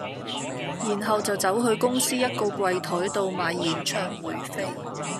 然後就走去公司一個櫃檯度買演唱會飛